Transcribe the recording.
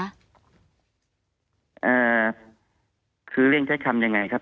เอ่อคือเลี่ยงใช้คำอย่างไรครับ